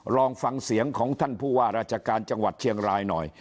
ลองฟังเสียงของท่านผู้ว่าราชการจังหวัดเชียงรายหน่อย